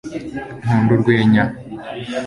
nkunda urwenya